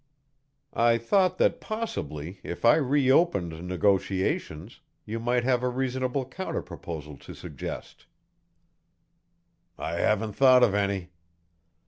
"I thought that possibly, if I reopened negotiations, you might have a reasonable counter proposition to suggest." "I haven't thought of any."